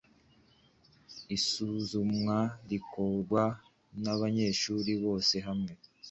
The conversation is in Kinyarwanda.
Isuzumwa rikorwa n’abanyeshuri bose hamwe